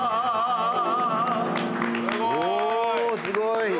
すごい！